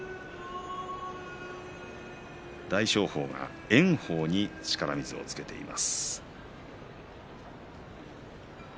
大翔鵬が炎鵬に力水をつけています。